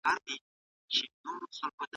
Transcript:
پلار به د غرمې له رخصتۍ وروسته کور ته راشي.